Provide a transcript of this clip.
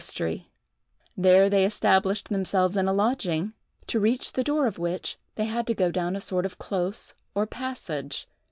There they established themselves in a lodging, to reach the door of which they had to go down a sort of close, or passage.